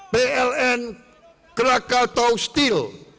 pln krakatau steel